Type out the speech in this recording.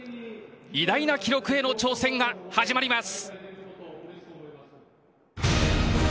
偉大なる記録への挑戦が始まります。